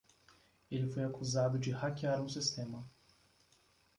Ele foi acusado de hackear um sistema.